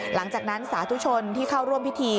หลังจากนั้นสาธุชนที่เข้าร่วมพิธี